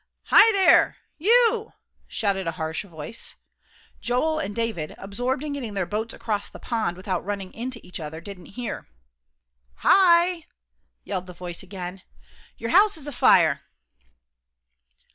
"Hi there you!" shouted a harsh voice. Joel and David, absorbed in getting their boats across the pond without running into each other, didn't hear. "Hi!" yelled the voice again, "your house is afire!"